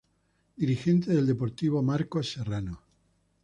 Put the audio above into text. Dirigente del Deportivo Marcos Serrano.